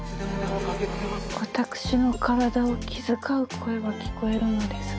私の体を気遣う声は聞こえるのですが。